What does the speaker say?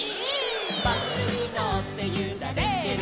「バスにのってゆられてる」せの！